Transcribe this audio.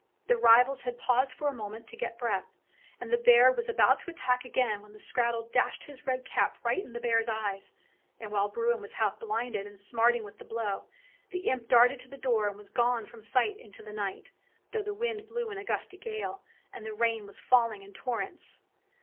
The rivals had paused for a moment to get breath, and the bear was about to attack again when the skrattel dashed his red cap right in the bear's eyes, and while Bruin was half blinded and smarting with the blow, the imp darted to the door and was gone from sight in to the night, though the wind blew in a gusty gale, and the rain was falling in torrents.